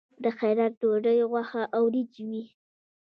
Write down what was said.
د خیرات ډوډۍ غوښه او وریجې وي.